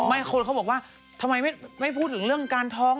คนเขาบอกว่าทำไมไม่พูดถึงเรื่องการท้อง